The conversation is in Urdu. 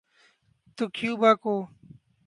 تو کیوبا کو۔